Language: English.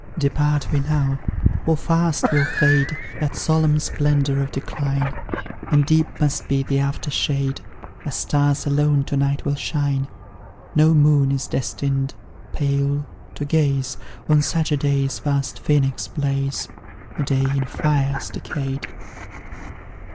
Depart we now for fast will fade That solemn splendour of decline, And deep must be the after shade As stars alone to night will shine; No moon is destined pale to gaze On such a day's vast Phoenix blaze, A day in fires decayed!